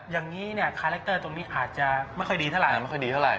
อย่างนี้เนี่ยคาแรคเตอร์ตรงนี้อาจจะไม่ค่อยดีเท่าไร